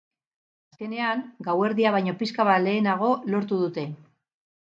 Azkenean, gauerdia baino pixka bat lehenago lortu dute.